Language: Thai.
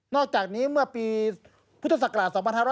อกจากนี้เมื่อปีพุทธศักราช๒๕๕๙